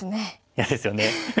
嫌ですよね。